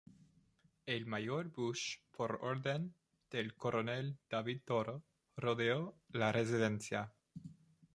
El mayor Busch, por orden del coronel David Toro, rodeó la residencia.